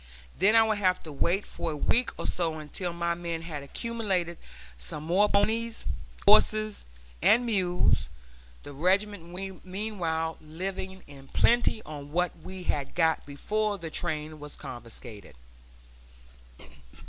Then I would have to wait for a week or so until my men had accumulated some more ponies, horses, and mules, the regiment meanwhile living in plenty on what we had got before the train was confiscated.